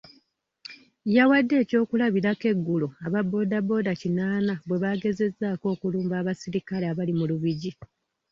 Yawadde eky'okulabirako eggulo aba bbooda bbooda kinaana bwe baagezezzaako okulumba abasirikale abali mu Lubigi.